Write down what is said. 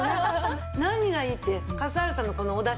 何がいいって笠原さんのこのお出汁